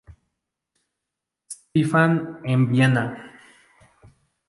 Stephan en Viena.